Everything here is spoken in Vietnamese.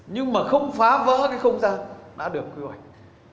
nhưng mà không phá vỡ cái không gian đã được quy hoạch